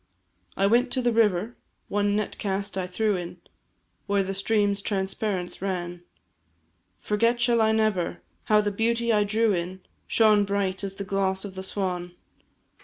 I went to the river, one net cast I threw in, Where the stream's transparence ran, Forget shall I never, how the beauty I drew in, Shone bright as the gloss of the swan.